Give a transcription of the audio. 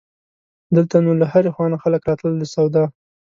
دلته نو له هرې خوا نه خلک راتلل د سودا.